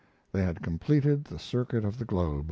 They had completed the circuit of the globe.